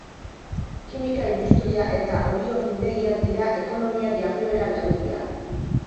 Kimika-industria eta olio findegiak dira ekonomia jarduera nagusiak.